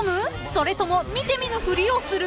それとも見て見ぬふりをする？］